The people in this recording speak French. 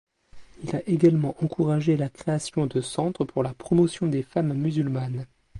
Il a également encouragé la création de centres pour la promotion des femmes musulmanes.